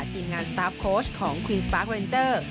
ทีมงานสตาร์ฟโค้ชของควีนสปาร์คเวนเจอร์